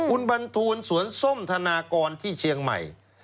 คุณบรรทูลสวนส้มธนากรที่เชียงใหม่